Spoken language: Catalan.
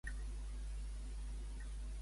Quants cops va ser batllessa?